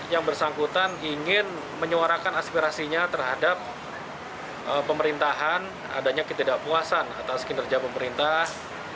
yang bersangkutan ingin menyuarakan aspirasinya terhadap pemerintahan adanya ketidakpuasan atas kinerja pemerintah